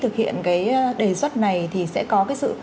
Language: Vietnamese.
cái đề xuất này thì sẽ có cái sự